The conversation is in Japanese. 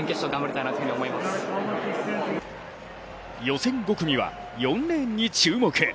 予選５組は、４レーンに注目。